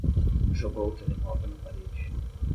Jogou o telemóvel na parede